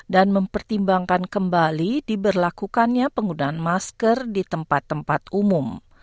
dan mempertimbangkan kembali diberlakukannya penggunaan masker di tempat tempat umum